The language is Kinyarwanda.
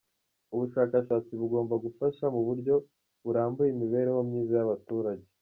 Ubushakashatsi bugomba gufasha mu buryo burambye imibereho myiza y’abaturage.